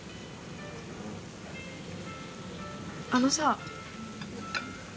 あのさ。